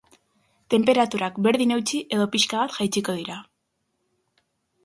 Tenperaturak berdin eutsi edo pixka bat jaitsiko dira.